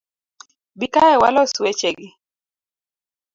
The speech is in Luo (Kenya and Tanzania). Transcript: Bi kae walos weche gi